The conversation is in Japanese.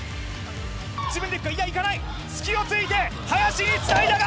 自分でいくか、いや、いかない、隙をついてはやしにつないだが。